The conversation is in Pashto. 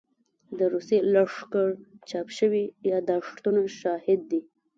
د روسي لښکرو چاپ شوي يادښتونه شاهد دي.